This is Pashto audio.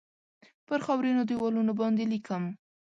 پر خاورینو دیوالونو باندې لیکم